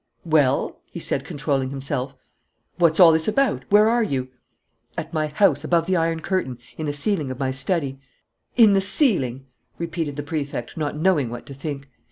"Well?" he said, controlling himself. "What's all this about? Where are you?" "At my house, above the iron curtain, in the ceiling of my study." "In the ceiling!" repeated the Prefect, not knowing what to think.